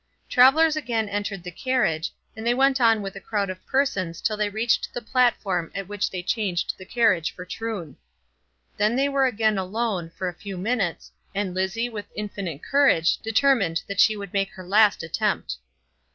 Travellers again entered the carriage, and they went on with a crowd of persons till they reached the platform at which they changed the carriage for Troon. Then they were again alone, for a few minutes, and Lizzie with infinite courage determined that she would make her last attempt.